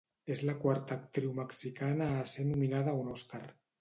És la quarta actriu mexicana a ser nominada a un Oscar.